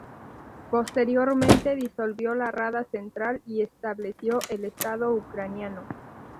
Posteriormente disolvió la Rada Central y estableció el Estado Ucraniano.